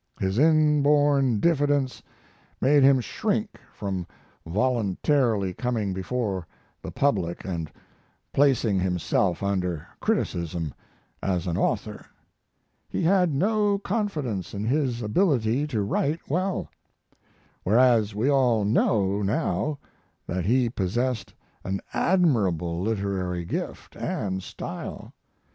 His inborn diffidence made him shrink from voluntarily coming before the public and placing himself under criticism as an author. He had no confidence in his ability to write well; whereas we all know now that he possessed an admirable literary gift and style.